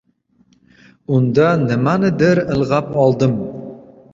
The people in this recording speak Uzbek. Unda “nimanidir” ilg’ab oldim.